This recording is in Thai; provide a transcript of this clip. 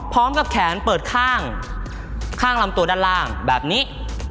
พร้อมกับแขนเปิดข้างข้างลำตัวด้านล่างแบบนี้